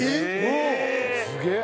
すげえ！